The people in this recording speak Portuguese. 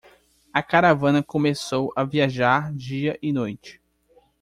A caravana começou a viajar dia e noite.